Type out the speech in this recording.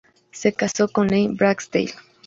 Se casó con Lane Barksdale.